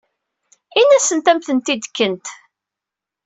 Ini-asent ad am-tent-id-kent.